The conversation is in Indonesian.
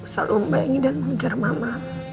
selalu membayangi dan mengejar mama